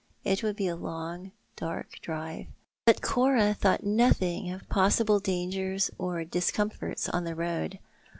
It would be a long dark drive, but Cora thought nothing of possible dangers or discomforts on the road.